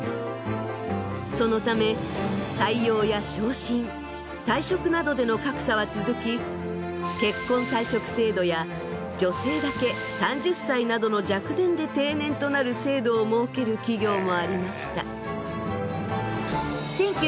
そのため採用や昇進退職などでの格差は続き結婚退職制度や女性だけ３０歳などの若年で定年となる制度を設ける企業もありました。